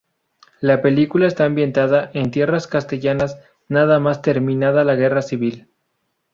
La película está ambientada en tierras castellanas nada más terminada la Guerra Civil.